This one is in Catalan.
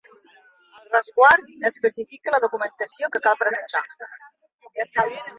El resguard especifica la documentació que cal presentar.